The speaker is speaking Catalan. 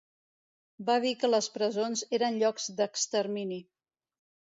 Va dir que les presons eren llocs d’extermini.